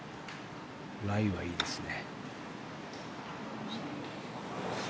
ライはいいですね。